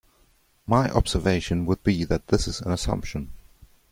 My observation would be that this is an assumption.